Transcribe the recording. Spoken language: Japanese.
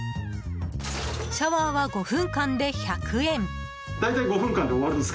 シャワーは５分間で１００円。